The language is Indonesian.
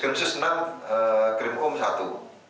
krim susunan krim umum satu